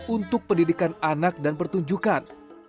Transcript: untuk pendidikan anak dan pertunjukan